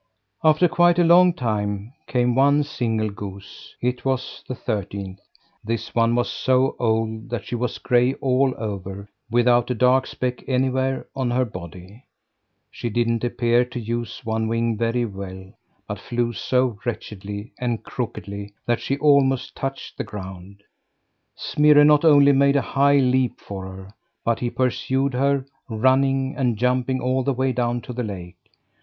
After quite a long time came one single goose. It was the thirteenth. This one was so old that she was gray all over, without a dark speck anywhere on her body. She didn't appear to use one wing very well, but flew so wretchedly and crookedly, that she almost touched the ground. Smirre not only made a high leap for her, but he pursued her, running and jumping all the way down to the lake.